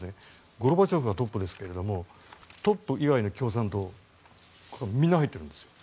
ゴルバチョフはトップですけどもトップ以外の共産党みんな入ってるんですよ。